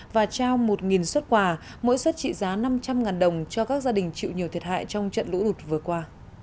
và trao một xuất quà mỗi xuất trị giá năm trăm linh đồng cho các gia đình chịu nhiều thiệt hại trong trận lũ lụt vừa qua